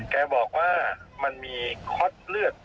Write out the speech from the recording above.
แกบอกว่ามันมีค็อตเลือด